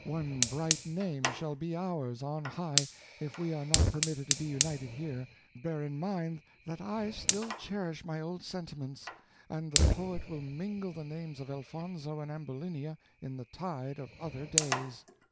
One bright name shall be ours on high, if we are not permitted to be united here; bear in mind that I still cherish my old sentiments, and the poet will mingle the names of Elfonzo and Ambulinia in the tide of other days."